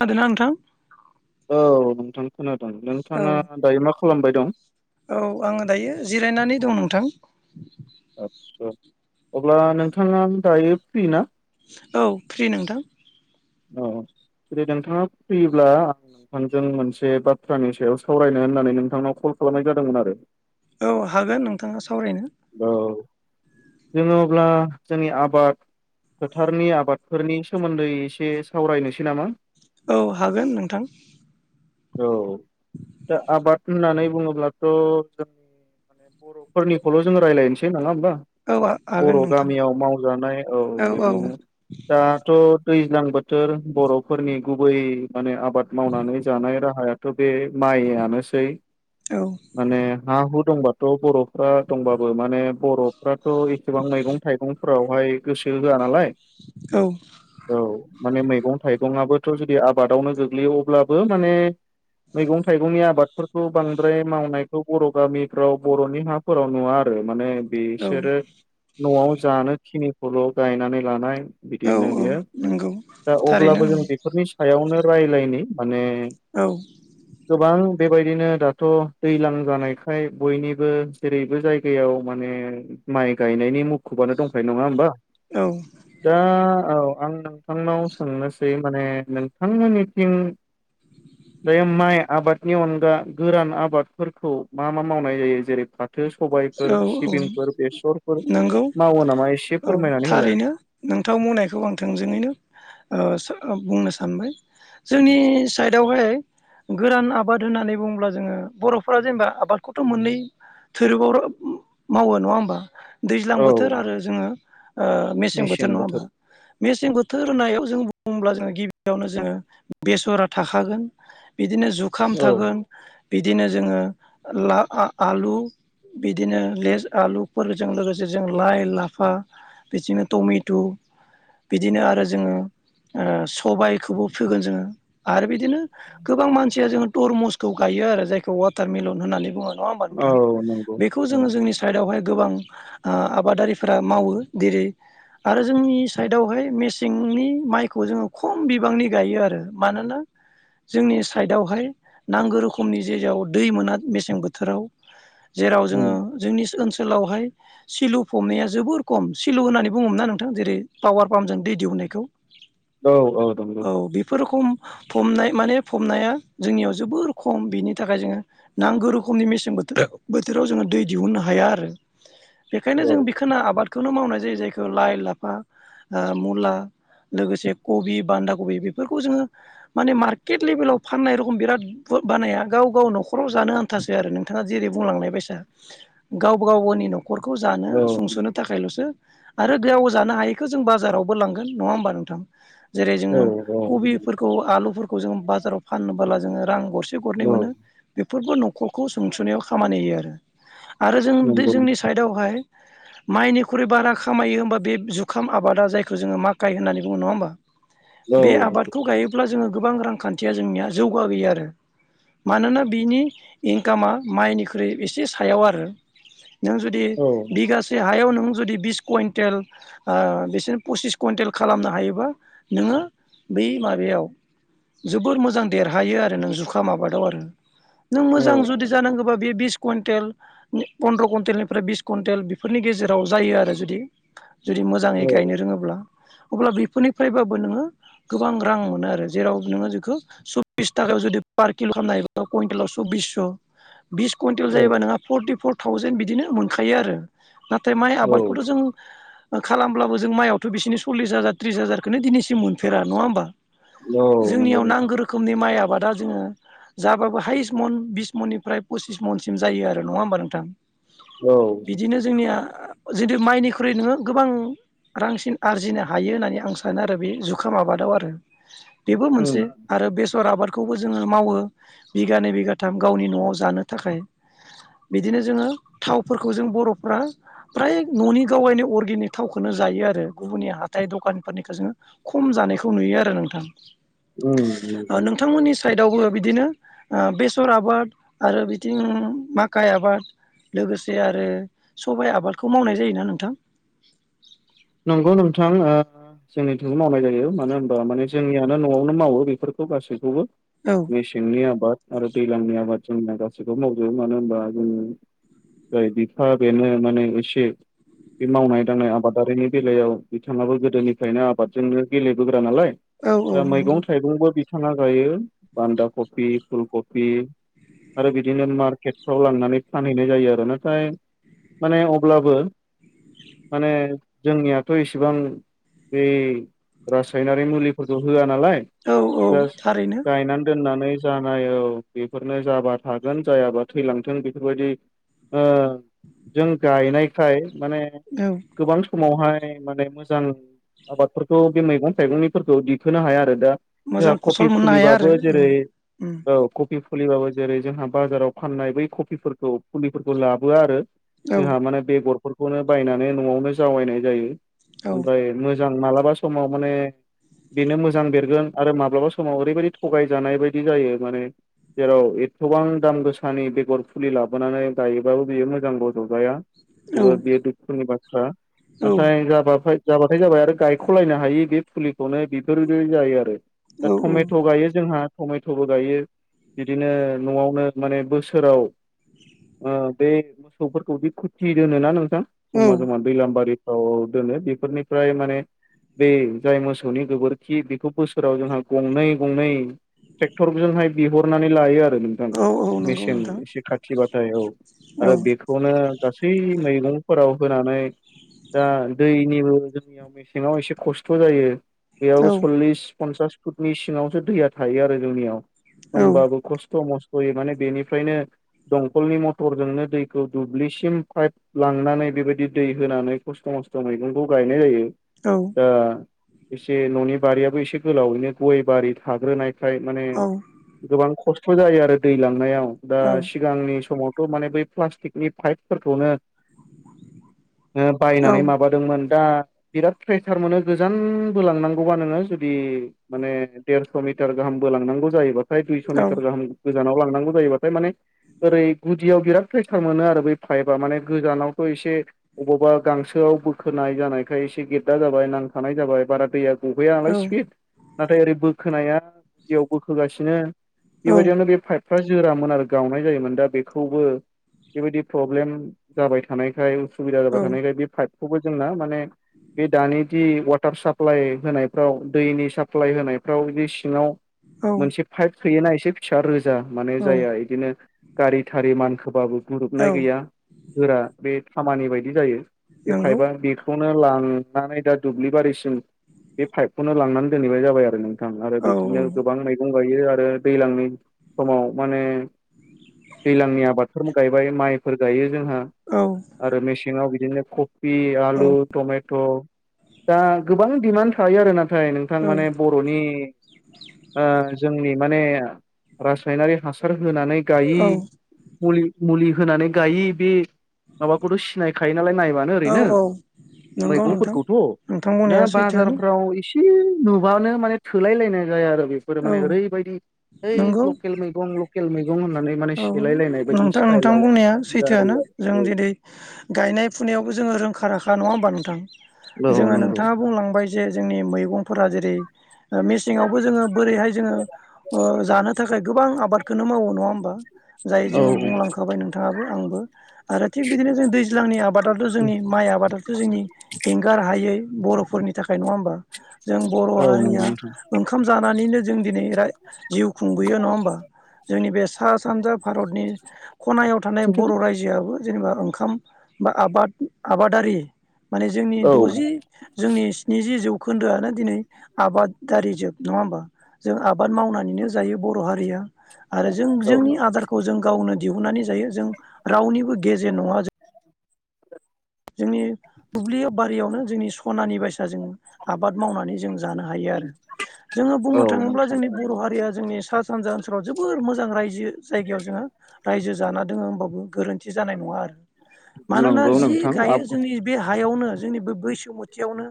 खोनादोंना नोंथां? औ नोंथां खोनादों औ नोंथाङा दायो मा लामबाय दं? औ आङो दायो जिरायनानै दं नोंथां। आस्सा अब्ला नोंथाङा दायो फ्रि ना औ फ्रि नोंथां। औ। जुदि नोंथाङा फिब्ला आं नोंथांजों मोनसे बाथ्रानि सायाव सावरायनो होननानै नोंथांनाव कल खालामनाय जादोंमोन आरो। औ हागोन नोंथाङा- सावरायनो औ जोङो अब्ला जोंनि आबाद फोथारनि आबादफोरनि सोमोन्दै एसे सावरायनोसै नामा? औ हागोन नोंथां। औ दा आबाद होननानै बुङोब्लाथ' जोंनि माने बर'फोरनिखौल' जों रायलायनोसै नोंङा होमबा। औ हागोन बर' नोंथां गामियाव मावजानाय औ बेनो दाथ' दैज्लां बोथोर बर'फोरनि गुबै माने आबाद मावनानै जानाय राहाया बे माइआनोसै औ माने हा हु दंबाथ' बर'फ्रा- दंबाबो माने बर'फ्राथ' एसेबां मैगं थाइगंफोरावहाय गोसो होआ नालाय औ औ माने मैगं थाइगंआबो जुदि आबादावनो गोग्लैयो अब्लाबो माने मैगं थाइगंनि आबाद फोरखौ बांद्राय मावनायखौ बर' गामिफ्राव बर'नि हाफोराव नुवा आरो माने औ बिसोरो न'आव जानो खिनिखौल' गायनानै लानाय औ बिदिनो औ बियो नंगौ दा थारैनो अब्लाबो जों नंगौ बिफोरनि सायावनो रालायनि माने औ गोबां बेबायदिनो दाथ' दैलां जानायखाय बयनिबो जेरैबो जायगायाव माने माइ गायनायनि मुखुबानो दंखायो नङा होमबा औ दा औ आं नोंथांनाव सोंनोसै माने नोंथांमोननिथिं दायो माइ आबादनि अनगा गोरान आबादफोरखौ मा मा मावनाय जायो जेरै फाथ थो, सबायफोर, औ औ सिबिंफोर, बेसरफोर नंगौ मावो नामा एसे औ फोरमायनानै होलाय थारैनो नोंथां बुंनायखौ आं थोंजोङैनो ओ ओ बुंनो सानबाय जोंनि साइडआवहाय गोरान आबाद होननानै बुङोब्ला जोङो बर'फोरा जेनेबा आबादखौथ' मोननै थोरोबाव मावो नङा होमबा दैज्लां औ बोथोर आरो जोङो ओ मेसें बोथोर नङा होमबा मेसें बोथोर होननायाव जों बुंब्ला जोङो गिबियावनो जोङो बेसरा थाखागोन बिदिनो जुखाम औ थागोन बिदिनो जोङो ला आ आलु बिदिनो लेस आलुफोरजों लोगोसे जों लाइ लाफा बिदिनो टमेटु बिदिनो आरो जोङो ओ सबायखौबो फोगोन जोङो आरो बिदिनो गोबां मानसिया जोङो तरमुसखौ गाय यो आरो जायखौ वाटार मिलन होननानै बुङो नङा होमबा औ नोंथां। नंगौ बिखौ औ जोङो जोंनि साइडआव वाहाय गोबां ओ आबादारिफोरा मावो जेरै आरो जोंनि साइडआवहाय मेसेंनि माइखौ जोङो खम बिबांनि गायो आरो मानोना जोंनि साइडआवहाय नांगौ रोखोमनि जेराव दै मोना मेसें बोथोराव जेराव उम जोङो जोंनि ओनसोल लावहाय सिलु फबनाया जोबोर खम सिलु होननानै बुङोमोन ना नोंथां जेरै पावार पाम्पजों दै दिउनायखौ औ नंगौ औ बेफोर रोखम फमनाय माने फमनाया जोंनियाव जोबोर खम बिनि थाखाय जोङो नांगौ रोखोमनि मेसें बोथोर बोथोराव जोङो दै दिहुननो हाया आरो बेखायनो औ जों बिखोना आबाद खौनो मावनाय जायो जायखौ लाइ, लाफा, मुला लोगोसे कबि बान्दा कबि बेफोरखौ जोङो माने मार्केट लेभेलाव फाननाय रखम बिराद बानाया गाव गाव न'खराव जानो आनथासै आरो नोंथाङा जेरै बुंलांनाय बेसा गाव गाव गावनि न'खरखौ जानो औ सुंस'नो थाखायल'सो आरो गोयाव जानो हायैखौ जों बाजारावबो लांगोन नङा होमबा नोंथां जेरै औ जोङो औ कबिफोरखौ आलुफोरखौ जोङो बाजाराव फाननोबोला जोङो रां गर से गरनै नंगौ औ मोनो बेफोरबो न'खरखौ सोंस'नायाव खामानि होयो आरो। आरो जों नंगौ जोंनि साइदआवहाय माइनिख्रुइ बारा खामायो होमबा बे जुखाम आबादा जायखौ जोङो माकाइ होननानै बुङो। नङा होमबा? औ बे आबादखौ गायोब्ला जोङो गोबां रांखान्थिया जोंनिया जौगा गैया आरो मानोना बिनि इनकामा गो माइनिख्रुइ एसे सायाव आरो नों जुदि औ बिगासे हायाव नो जुदि बिस कुइन्टेल बिसोर पसिस कुइन्टेल खालामनो हायोबा नोङो बै माबायाव जोबोर मोजां देरहायो आरो नों जुखाम आबादाव आरो। नों मोजां जुदि जानांगौबा बे बिस कुवइन्टेल पन्द्र' कुइन्टेलनिफ्राय बिस कुइन्टेल बेफोरनि गेजेराव जायो आरो जुदि जुदि मोजाङै गायनो रोङोब्ला। अब्ला बेफोरनिफ्रायबाबो नोङो गोबां रां मोनो आरो जेराव नोङो बेखौ सब्बिस थाखा जुदि पार किल' खालामनो हायोबा कुइन्टेलाव सब्बिस' बिस कुइन्टेल जायोबा नोंहा फरटिफर थावजेन बिदिनो मोनखायो आरो। नाथाय माइ औ आबादखौथ' जों खालामब्लाबो जों माइआवथ' बिसिनि सल्लिस हाजार त्रिस हाजारखौनो दिनैसिम मोनफेरा नङा होमबा? नंगौ जोंनियाव नोंथां नांगौ रोखोमनि माइ आबाद दा जोङो जाबाबो हायेस्ट मन बिस मननिफ्राय पसिस मनसिम जायो आरो। नङा होमबा नोंथां? औ बिदिनो जोंनिया जेथु माइनिख्रुइ नोङो गोबां रांसिन आरजिनो हायो होननानै आं सानो आरो बे जुखाम आबादाव आरो। बेबो उम मोनसे आरो बेसर आबादखौबो जोङो मावो बिगानै बिगाथाम। गावनि न'आव जानो थाखाय। बिदिनो जोङो थावफोरखौ जों बर'फ्रा प्राय न'नि गावायनि अर्गेनिक थावखौनो जायो आरो गुबुननि हाथाय दखानफोरनिखौ जोङो खम जानायखौ नुयो आरो नोंथां। उम नंगौ। दावबो बिदिनो बेसर आबाद आरो बिथिं माकाइ आबाद लोगोसे आरो सबाइ आबादखौ मावनाय जायोना नोंथां। नंगौ नोंथां। ओ जोंनिथिं मावनाय जायो मानो होनबा माने जोंनियानो न'आवनो मावो बेफोरखौ गासैखौबो औ मेसेंनि आबाद आरो दैज्लांनि आबाद जोंना गासैखौबो मावजोबो मानो होनबा जों जाय बिफा बेनो माने एसे बे मावनाय दांनाय आबादारिनि बेलायाव बिथाङाबो गोदोनिफ्रायनो आबादजोंनो गेलेबोग्रा नालाय औ औ दा नंगौ मैगं थाइगंबो गायना जायो बान्दा कफि फुल कबि आरो बिदिनो मार्केटफ्राव लांनानै फानहैनाय जायो आरो नाथाय माने अब्लाबो माने जोंनियाथ' इसेबां बे रासायनारि मुलिफोरखौ होआ नालाय औ औ जास थारैनो गायना दोननानै जानाय औ बेफोरनो जाबा थागोन जायाबा थैलांथों बेफोरबायदि ओ जों गायनायखाय माने औ गोबां स मावहाय माने मोजां आबादफोरखौ बे मैगं थाइगंनिफोरखौ दिखोनो हाया आरो दा जोंहा मोजां कफि फसल मोननो हाया आरो फुलिबाबो औ जेरै उम औ कफि फुलिबाबो जेरै जोंहा बाजाराव फाननाय बै कफिफोरखौ फुलिफोरखौ लाबोआ आरो औ जोंहा माने बेगरफोरखौनो बायनानै न'आवनो जावायनाय जायो औ ओमफ्राय मो जां मालाबा समाव माने बेनो मोजां बेरगोन आरो माब्लाबा समाव ओरैबायदि थगायजानाय बायदि जायो माने जेराव एथबां दाम गोसानि बेगर फुलि लाबोनानै गायोबाबो बियो मोजां रज'जाया औ जोबोद बेयो दुखुनि बाथ्रा नाथाय जा जाबाथाय जाबाय आरो गायख'लायनो हायि बे फुलिखौनो बेफोरदि जायो आरो। दा औ टमेट' गायो जोंहा टमेट'बो गायो बिदिनो न'आवनो माने बोसोराव ओ बे मोसौफोरखौ बि खुथि दोनोना नोंथां औ जमा जमा लामबारिफ्राव दोनो बेफोरनिफ्राय माने बे जाय मोसौनि गोबोरखि बेखौ बोसोराव जोंहा गंनै गंनै ट्रेक्टरजोंहाय बिहरनानै लायो आरो नोंथां औ औ नंगौ मेसेन नोंथां एसे खाथि बाथाय औ औ आरो बेखौनो गासै मैगंफोराव होनानै दा दैनिबो जोंनियाव मेसेङाव एसे खस्थ' जायो बेयाव औ सल्लिस पन्सास फुटनि सिङावसो दैया थायो आरो जोंनियाव औ होमबाबो खस्थ' मस थ'यै माने बेनिफ्रायनो दंखलनि मथरजोंनो दैखौ दुब्लिसिम पाइप लांनानै बेबायदि दै होनानै खस्थ' मस्थ' मैगंखौ गायनाय जायो दा एसे न'नि बारियाबो एसे गोलावैनो गय बारि थाग्रोनायखाय माने गोबां खस्थ जायो आरो दै लांनायाव दा औ सिगांनि समाव थ' माने बै प्लास्टिकनि पाइपफोरखौनो औ बायनानै माबादोंमोन दा बिराद फ्रेटार मोनो गोजान‌ बोलांनांगौबा नोङो जुदि माने देरस' मिटार गाहाम बोलांनांगौ जायोबाथाय दुइस' मिटार गाहाम गोजानाव लांनांगौ जायोबाथाय माने ओरै गुदियाव बिराद प्रेसार मोनो आरो बै पाइपआ माने गोजानावथ' एसे अबावबा गांसोआव बोखोनाय जानायखाय एसे गेददा जाबाय नांथानाय जाबाय बारा दैया बबेया नालाय स्पिड नाथाय ओरै बोखोनाया गुदियाव बोखोगासिनो बेबायदियावनो बे पाइपफ्रा जोरामोन आरो गावनाय जायोमोन दा बेखौबो बेबायदि प्रब्लेम जाबाय थानायखाय सुबिदा औ जाबाय थानायखाय बे पाइपखौबो जोंना माने बे दानि जि वाटार साप्लाइ होनायफ्राव दैनि साप्लाय होनायफ्राव बिदि सिङाव औ मोनसे पाइप थोयोना एसे फिसा रोजा माने औ जाया इदिनो गारि थारि मानखोबाबो औ ग्रुबनाय गैया गोरा बे खामानि बायदि जायो बे नंगौ पाइपआ बेखौ नो लांनानै दा दुब्लि बारिसिम बे पाइपखौनो लांनानै दोनहैनाय जाबाय आरो नों थां आरो औ बिदिनो गोबां मैगं गायो आरो दैज्लांनि समाव माने दैज्लांनि आबादफोर गायबाय माइफोर गायो जोंहा औ आरो मेसेंङाव बिदिनो आं कफि आलु औ टमेट' दा गोबां डिमान्ड थायो आरोना नाथाय नोंथां माने बर'नि ओ जोंनि माने रासायनारि हासार होनानै गायि औ मुलि मुलि होनानै गायि बे माबाखौथ' सिनायखायो नालाय नायबानो ओरैनो औ नंगौ नोंथां मैगंफोरखौथ' नोंथां दा बुंनाया सैथोआनो बाजारफ्राव इसे से नुबानो माने थोलाय लायनाय जाया आरो फोरो औ माने ओरैबायदि ओइ नंगौ लकेल मैगं लकेल मै गं होननानै माने औ सेलायलायनाय बायदि नोंथां नोंथां स्टाइलाव बुंनाया सैथोआनो जायो आरो जों जेरै गायनाय फुनायावबो जोङो रोंखा राखा नङा होमबा नोंथां औ औ जोङो नंगौ नोंथाङा बुंलांबाय जे जोंनि मैगंफोरा जेरै मेसेंङावबो जोङो बोरैहाय जोङो ओ जानो थाखाय गोबां आबादखौनो मावो नङा होमबा जाय जोङो औ बुंलांखाबाय नोंथाङाबो आंबो आरो थिग बिदिनो जों दैज्लांनि आबादाथ' जोंनि माइ आबादाथ' जोंनि एंगार हायै बर'फोरनि थाखाय नङा होमबा जों बर' औ नंगौ हारिया नोंथां ओंखाम जानानैनो जों दिनै राय जिउ खुंबोयो नङा होमबा जोंनि बे सा सानजा भारतनि खनायाव थानाय बर' रायजोआबो जेनेबा ओंखाम बा आबाद आबादारि माने जोंनि औ द'जि जोंनि स्निजि जौ खोन्दोआनो दिनै आबादारि जोब नङा होमबा जों आ बाद मावनानैनो जायो बर' हारिया आरो जों औ जोंनि आदारखौ जों गावनो दिहुननानै जायो जों रावनिबो गेजेन नङा जों [inaudible] जोंनि दुब्लियाव बारियावनो जोंनि सनानि बाय साजों आबाद मावनानै जों जानो हायो आरो जोंङो औ बुंनो थाङोब्ला नोंथां जोंनि बर' हारिया जोंनि सा सानजा ओनसोलाव जोबोर मोजां रायजो जायगायाव जोंङो रायजो जानानै दोङो होनबाबो गोरोन्थि जानाय नंङा आरो मानोना नंगौ जि नोंथां आ गायो जोंनि बे हायावनो जोंनि बे बैसुमुथियावनो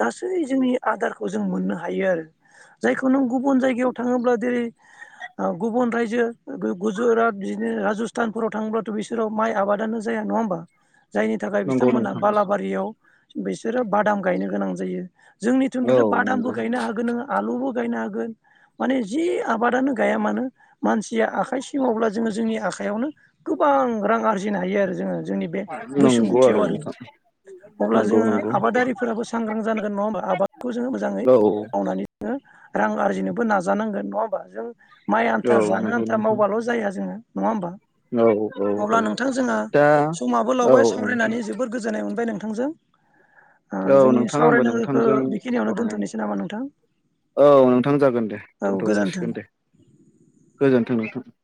गासै जोंनि आदारखौ जों मोननो हायो आरो। जायखौ नों गुबुन जायगायाव थाङोब्ला जेरै ओ गुबुन रायजो गुजरात बिदिनो राजस्थानफोराव थाङोब्लाथ' बिसोराव माइ आबादानो जाया नङा होमबा जायनि नि थाखाय नंगौ बिथांमोना नोंथां बालाबारियाव बिसोरो बादाम गायनो गोनां जायो। जोंनिथिंथ' औ नंगौ बादामबो गायनो हागोन नोंङो आलुबो गायनो हागोन माने जि आबादनो गाया मानो मानसिया आखाइ सिङावब्ला जोङो जोंनि आखाइयावनो गोबां रां आरजिनो हायो आरो जोङो जोंनि बे बैसुमुथियाव आरो आरो नोंथां अब्ला नंगौ जोङो नंगौ आबादारिफोराबो सांग्रां जानांगोन नङा होमबा आबादखौ जोङो मोजाङै औ मावनानै जोंङो रां आरजिनोबो नाजानांगोन नङा होमबा जों माइ आन्था औ जानो नंगौ आन्था नोंथां मावबाल' जाया जोङो। नङा होमबा औ औ अब्ला औ नोंथां जोंहा दा समाबो औ लावबाय। सावरायनानै जोबोर गोजोननाय मोनबाय नोंथांजों। ओ औ जोंनि नोंथां आंबो सावरायनांगोखो नोंथांजों बेखिनियावनो सावरायनानै दोनथ'नोसै नामा नोंथां। औ नोंथां जागोन दे औ दोनथ' गोजोन्थों जासिगोन दे गोजोनथों नोंथां। [inaudible]